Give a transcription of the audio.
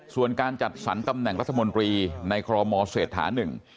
ส่วนการจัดสรรตำแหน่งรัฐมนตรีในคอรมอเศรษฐานึง